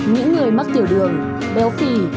những người mắc tiểu đường béo phì